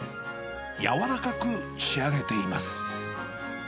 軟らかく仕上げています。